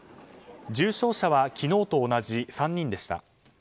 重症者は昨日と同じ３人でした。